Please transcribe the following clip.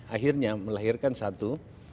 akhirnya melahirkan satu